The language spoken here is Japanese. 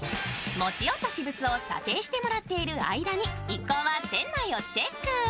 持ち寄った私物を査定してもらっている間に一行は店内をチェック。